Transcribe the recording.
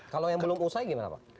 kalau yang belum usai gimana pak